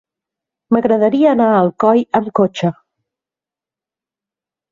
M'agradaria anar a Alcoi amb cotxe.